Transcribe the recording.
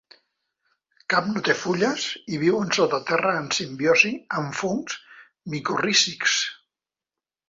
Cap no té fulles, i viuen sota terra en simbiosi amb fongs micorrízics.